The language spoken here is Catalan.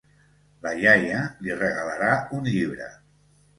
La iaia li regalarà un llibre.